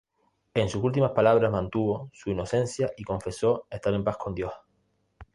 En sus últimas palabras mantuvo su inocencia y confesó estar en paz con Dios.